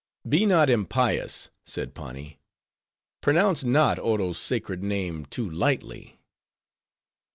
"Be not impious," said Pani; "pronounce not Oro's sacred name too lightly."